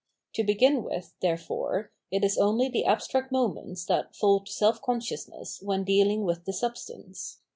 To begiu with, therefore, it is only the abstract moments that fall to self consciousness when dealing with the substance.